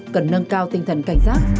cần nâng cao tinh thần cảnh giác